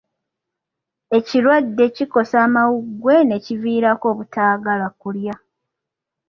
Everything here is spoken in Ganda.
Ekirwadde kikosa amawuggwe ne kiviirako obutaagala kulya.